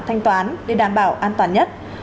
thanh toán để đảm bảo an toàn nhất